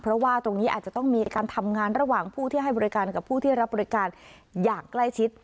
เพราะว่าตรงนี้อาจจะต้องมีการทำงานระหว่างผู้ที่ให้บริการกับผู้ที่รับบริการอย่างใกล้ชิด